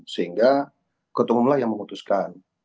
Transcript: sehingga ketua umumlah yang memutuskan